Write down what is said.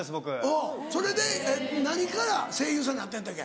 うんそれで何から声優さんになったんやったっけ？